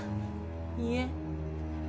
いいえ。